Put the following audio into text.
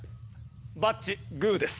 バッチグーです。